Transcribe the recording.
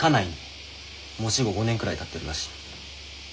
もう死後５年くらいたってるらしい。